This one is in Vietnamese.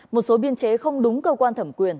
một số biên chế không đúng cơ quan thẩm quyền